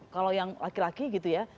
kalau yang laki laki gitu ya